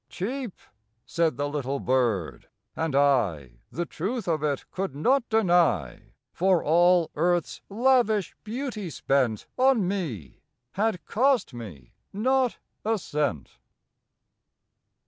"Cheep!" said the little bird, and I The truth of it could not deny, For all earth s lavish beauty spent On me had cost me not a cent.